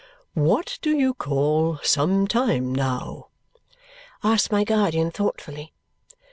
"What do you call some time, now?" asked my guardian thoughtfully.